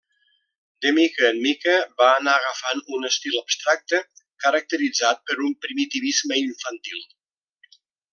De mica en mica va anar agafant un estil abstracte, caracteritzat per un primitivisme infantil.